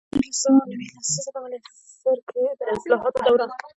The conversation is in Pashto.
د نولس سوه نوي لسیزه په مصر کې د اصلاحاتو دوره وه.